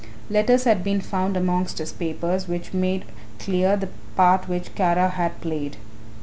Letters had been found amongst his papers which made clear the part which Kara had played.